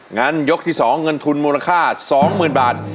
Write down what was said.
งั้นยกที่สองเงินทุนมูลค่าสองหมื่นบาท